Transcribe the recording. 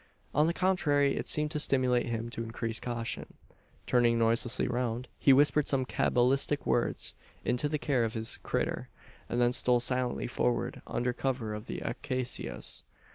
On the contrary, it seemed to stimulate him to increased caution. Turning noiselessly round, he whispered some cabalistic words into the care of his "critter;" and then stole silently forward under cover of the acacias.